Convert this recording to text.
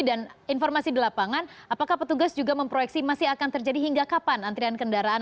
dan informasi di lapangan apakah petugas juga memproyeksi masih akan terjadi hingga kapan antrian kendaraan